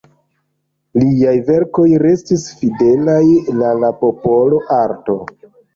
Liaj verkoj restis fidelaj la la popola arto.